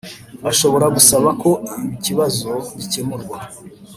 ashobora gusaba ko ikibazo gikemurwa